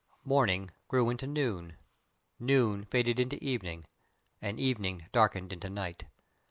Morning grew into noon, noon faded into evening, and evening darkened into night.